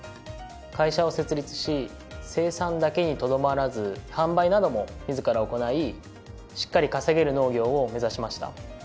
会社を設立し生産だけにとどまらず販売なども自ら行いしっかり稼げる農業を目指しました。